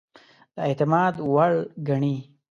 د اعتماد وړ ګڼي.